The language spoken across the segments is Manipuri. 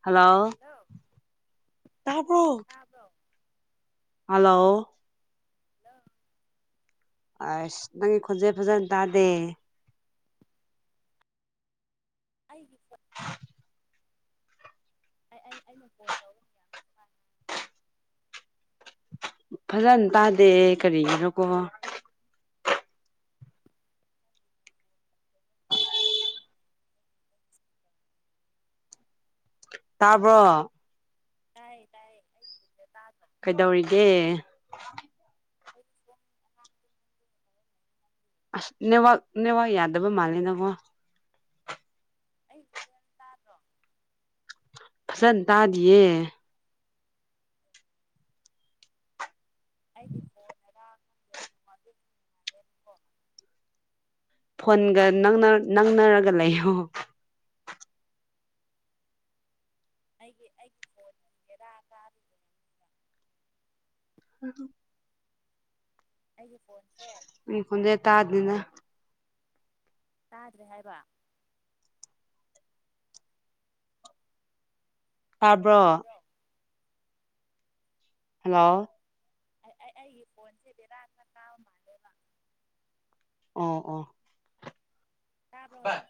ꯍꯜꯂꯣ ꯇꯄꯣ ꯇꯥꯕ꯭ꯔꯣ ꯍꯜꯂꯣ ꯍꯜꯂꯣ ꯑꯁ ꯅꯪꯒꯤ ꯈꯨꯣꯟꯁꯦ ꯐꯖꯅ ꯇꯥꯗꯦ ꯑꯩꯒꯤꯗꯤ ꯑꯩ ꯑꯩ ꯑꯩꯅ ꯐꯣꯟ ꯇꯧꯅꯦ ꯃꯥꯅꯤ ꯐꯖꯅ ꯇꯥꯗꯦ ꯀꯔꯤꯒꯤꯅꯣꯀꯣ ꯇꯥꯕ꯭ꯔꯣ ꯇꯥꯏ ꯇꯥꯏ ꯍꯥꯏ ꯀꯩꯗꯧꯔꯤꯒꯦ [inaudible] ꯑꯁ ꯅꯕꯥꯛ ꯅꯕꯥꯛ ꯌꯥꯗꯕ ꯃꯥꯜꯅꯤ ꯅꯀꯣ ꯑꯩ ꯦꯟ ꯇꯥꯕ꯭ꯔꯣ ꯁꯟ ꯇꯥꯗꯦ ꯑꯩꯗꯤ ꯐꯣꯟ ꯑꯔꯉꯦꯀꯣ ꯐꯣꯟꯒ ꯅꯅ ꯅꯪꯅꯔꯒ ꯂꯩꯌꯣ ꯑꯩꯒꯤ ꯑꯩꯒꯤ ꯐꯣꯟꯦꯔꯥ ꯇꯥꯔꯤꯕ ꯑꯗꯨ ꯍꯥꯏꯦ ꯏ ꯈꯨꯟꯦ ꯇꯥꯅꯤꯅ ꯇꯥꯗ꯭ꯔꯦ ꯍꯥꯏꯕ ꯇꯥꯔꯕ꯭ꯔꯣ ꯇꯥꯗꯕ꯭ꯔꯣ ꯍꯜꯂꯣ ꯑꯩ ꯑꯩꯒꯤ ꯐꯣꯟꯁꯦ ꯔꯥꯡꯅ ꯇ ꯃꯥꯜꯂꯦꯕ ꯑꯣ ꯑꯣ ꯇꯥꯕ꯭ꯔꯣꯖꯤꯦ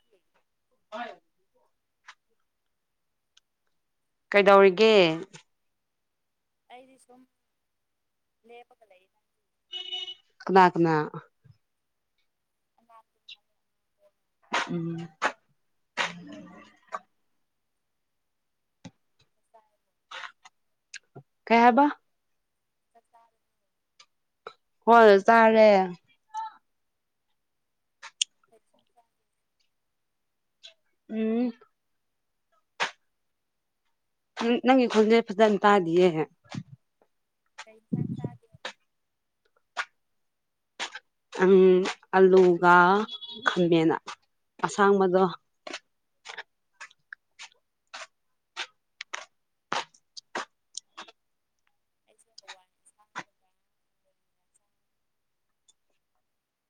ꯀꯩꯗꯧꯔꯤꯒꯦ ꯑꯩꯗꯤ ꯁꯨꯝ ꯂꯦꯞꯄꯒ ꯂꯩꯪ ꯅꯥꯥꯛ ꯀꯅ [inaudible] ꯎꯝ ꯆꯥꯛ ꯀꯦꯕ ꯆ ꯍꯣꯏ ꯇꯥꯔꯦ ꯑ ꯎꯝ ꯅꯪꯒꯤ ꯈꯜꯅꯦ ꯐꯖꯟ ꯇꯥꯗꯤꯦ ꯍ ꯀꯩꯁꯥꯡ ꯆꯗ ꯎ ꯑꯂꯨꯒ ꯈꯝꯕꯦꯅ ꯑꯁꯥꯡꯕꯗꯣ ꯦ